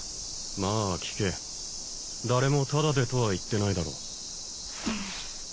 まあ聞け誰もタダでとは言ってないだろ